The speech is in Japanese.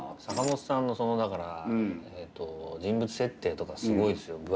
坂元さんのだから人物設定とかすごいですよ。